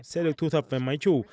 sẽ được thu thập về mái chủ